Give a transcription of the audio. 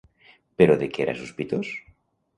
Però de què era sospitós?